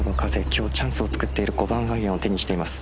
今日、チャンスを作っている５番アイアンを手にしています。